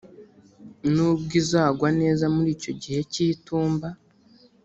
nubwo izagwa neza muri icyo gihe cy’itumba